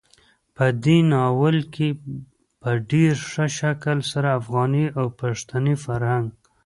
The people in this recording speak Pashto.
په دې ناول کې په ډېر ښه شکل سره افغاني او پښتني فرهنګ,